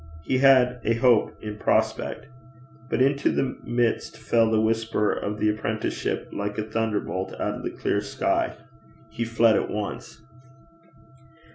He had a hope in prospect. But into the midst fell the whisper of the apprenticeship like a thunderbolt out of a clear sky. He fled at once.